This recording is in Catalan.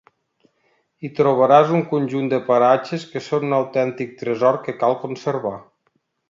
Hi trobaràs un conjunt de paratges que són un autèntic tresor que cal conservar.